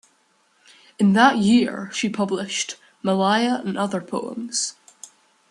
In that year, she published "Melaia and other Poems".